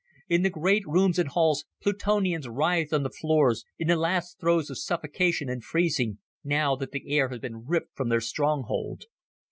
In the great rooms and halls Plutonians writhed on the floors, in the last throes of suffocation and freezing, now that the air had been ripped from their stronghold.